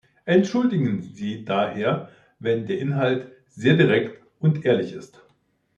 Entschuldigen Sie daher, wenn der Inhalt sehr direkt und ehrlich ist.